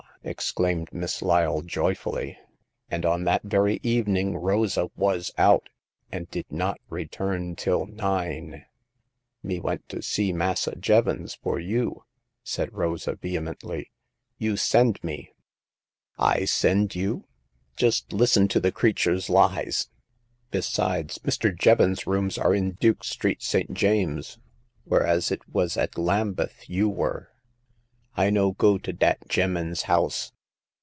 '' exclaimed Miss Lyle, joyfully —and on that very evening Rosa was out, and did not return till nine !" Me went to see Massa Jevons for you !" said Rosa, vehemently ; you send me." I send you ! Just listen to the creature's lies ! Besides, Mr. Jevons's rooms are in Duke Street, St. James's, whereas it was at Lambeth you were." I no go to dat gem'man's house.